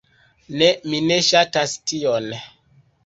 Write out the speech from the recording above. Ne! Mi ne ŝatas tion.